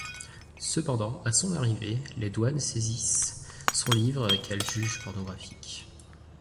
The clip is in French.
Cependant, à son arrivée, les douanes saisissent son livre qu'elles jugent pornographique.